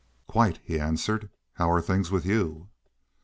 "Quite," he answered. "How are things with you?"